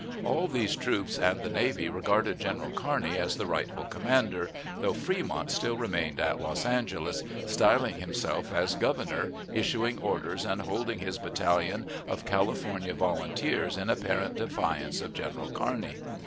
All these troops and the navy regarded General Kearney as the rightful commander, though Fremont still remained at Los Angeles, styling himself as Governor, issuing orders and holding his battalion of California Volunteers in apparent defiance of General Kearney.